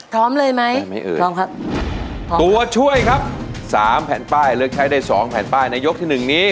พร้อมเลยไหมพร้อมครับตัวช่วยครับ๓แผ่นป้ายเลือกใช้ได้๒แผ่นป้ายในยกที่๑นี้